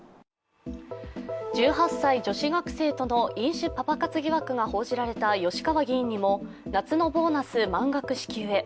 １８歳女子学生との飲酒パパ活疑惑が報じられた吉川議員にも夏のボーナス満額支給へ。